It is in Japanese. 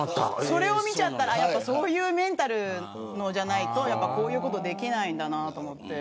それを見ちゃうとそういうメンタルじゃないとこういうことはできないんだなと思って。